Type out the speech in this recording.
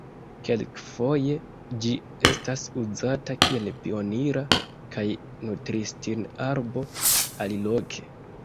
Kelkfoje ĝi estas uzata kiel pionira kaj nutristin-arbo aliloke.